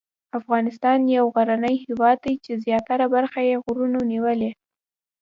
افغانستان یو غرنی هېواد دی چې زیاته برخه یې غرونو نیولې.